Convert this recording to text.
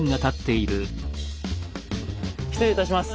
失礼いたします。